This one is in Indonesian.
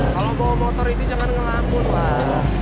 kalau bawa motor itu jangan ngelakut lah